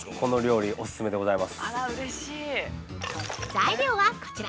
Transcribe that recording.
◆材料はこちら。